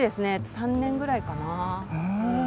３年ぐらいかな。